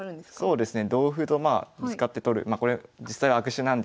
そうですね。